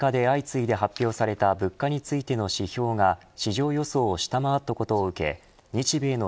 アメリカで相次いで発表された物価についての指標が市場予想を下回ったことを受け